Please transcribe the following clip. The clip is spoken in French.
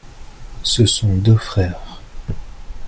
ce sont deux frères.